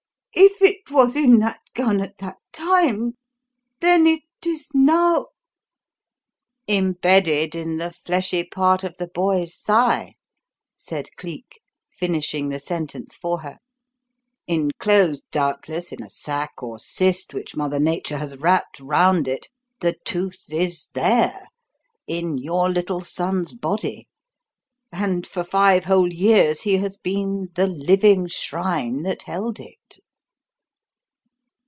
If it was in that gun at that time, then it is now " "Embedded in the fleshy part of the boy's thigh," said Cleek, finishing the sentence for her. "Inclosed, doubtless, in a sac or cyst which Mother Nature has wrapped round it, the tooth is there in your little son's body; and for five whole years he has been the living shrine that held it!"